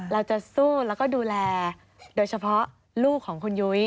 เราจะสู้แล้วก็ดูแลโดยเฉพาะลูกของคุณยุ้ย